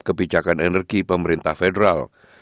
kebijakan energi pemerintah federal